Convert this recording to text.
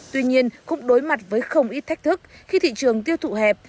tuy nhiên cũng đối mặt với không ít thách thức khi thị trường tiêu thụ hẹp